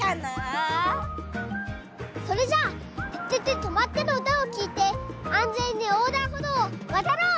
それじゃあ「ててて！とまって！」のうたをきいてあんぜんにおうだんほどうをわたろう！